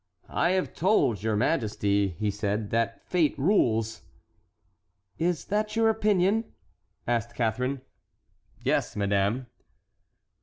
"I have told your majesty," he said, "that fate rules." "Is that your opinion?" asked Catharine. "Yes, madame."